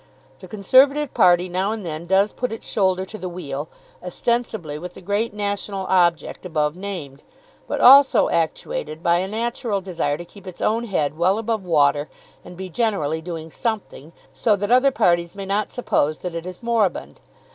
The Conservative party now and then does put its shoulder to the wheel, ostensibly with the great national object above named; but also actuated by a natural desire to keep its own head well above water and be generally doing something, so that other parties may not suppose that it is moribund.